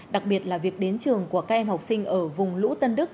đặc biệt là việc đến trường của các em học sinh ở vùng lũ tân đức